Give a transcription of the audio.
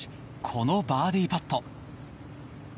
このバーディーパット。